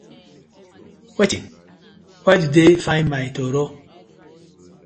Wetin? Why do dey find my toro?